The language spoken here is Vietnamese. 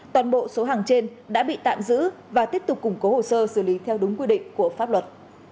toàn bộ số hàng trên đã bị tạm giữ và tiếp tục củng cố hồ sơ xử lý theo đúng quy định của pháp luật